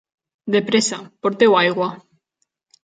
De pressa, porteu aigua!